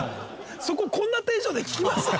そここんなテンションで聞きます？